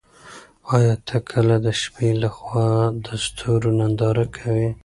ایا ته کله د شپې له خوا د ستورو ننداره کوې؟